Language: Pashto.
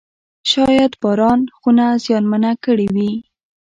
شاید باران خونه زیانمنه کړې وي.